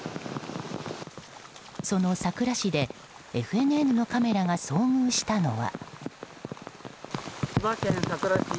その佐倉市でＦＮＮのカメラが遭遇したのは。